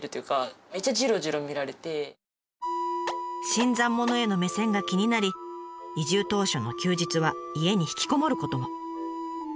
新参者への目線が気になり移住当初の休日は家に引きこもることも。